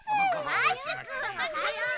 マッシュくんおはよう。